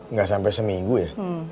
nggak sampai seminggu ya